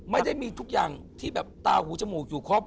ไม่ได้มีทุกอย่างที่แบบตาหูจมูกอยู่ครบ